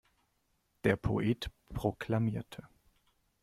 Der Poet proklamierte.